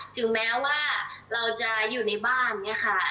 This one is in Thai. ถึงแม้ว่าเราจะอยู่ในบ้านเนี่ยค่ะ